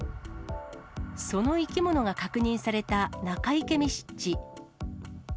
その生き物が確認された中池見湿地。